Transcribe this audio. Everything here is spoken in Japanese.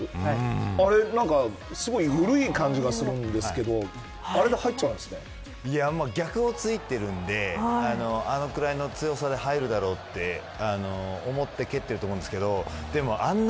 あれ、すごいぬるい感じがするんですけど逆を突いてるんであのくらいの強さで入るだけ蹴ってると思うんですけどでもあんな